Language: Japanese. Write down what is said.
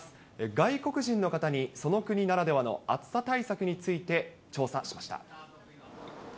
外国人の方に、その国ならではの暑さ対策について調査しました。